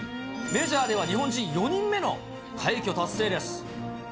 メジャーでは日本人４人目の快挙達成です。